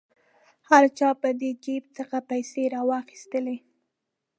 هر چا به د جیب څخه پیسې را واخیستلې.